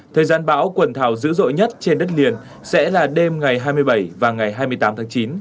thời gian bão quần thảo dữ dội nhất trên đất liền sẽ là đêm ngày hai mươi bảy và ngày hai mươi tám tháng chín